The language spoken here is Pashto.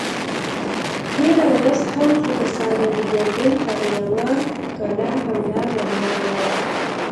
تېره ورځ هم څو کسانو د ګرګين پر يوه کلا حمله ور وړه!